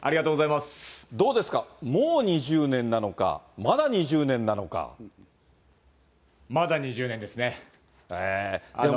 どうですか、もう２０年なのまだ２０年ですね。